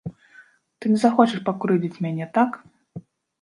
Ты не захочаш пакрыўдзіць мяне, так?